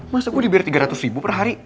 masa gue dibiar tiga ratus ribu per hari